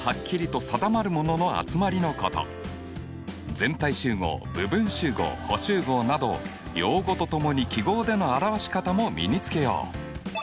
全体集合部分集合補集合など用語とともに記号での表し方も身につけよう。